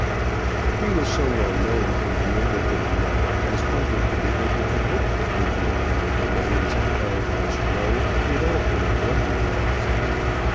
He was so well known in the neighbourhood now as hardly to be able to hope to enter on the domains of Paradise Row without being recognized.